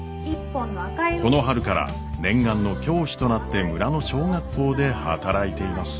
この春から念願の教師となって村の小学校で働いています。